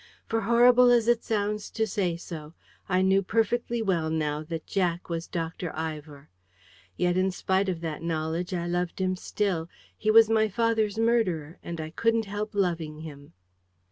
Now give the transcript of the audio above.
For, horrible as it sounds to say so, I knew perfectly well now that Jack was Dr. Ivor: yet, in spite of that knowledge, I loved him still. He was my father's murderer; and I couldn't help loving him!